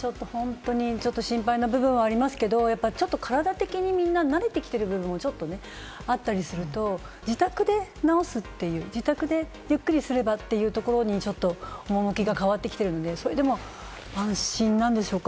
ちょっと心配な部分はありますけど、体的にみんな慣れてきてる部分もちょっとね、あったりすると自宅で治すという、自宅でゆっくりすればというところに趣が変わってきてるので、それでも安心なんでしょうか？